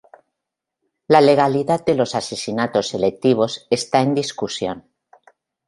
La legalidad de los asesinatos selectivos está en discusión.